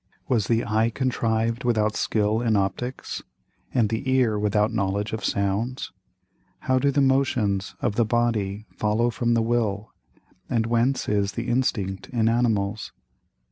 Was the Eye contrived without Skill in Opticks, and the Ear without Knowledge of Sounds? How do the Motions of the Body follow from the Will, and whence is the Instinct in Animals?